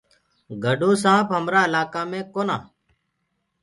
گَڊو سآنپ مهرآ ايِلآڪآ مي ڪونآ۔